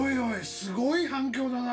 すごい反響だな。